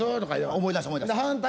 思い出した思い出した。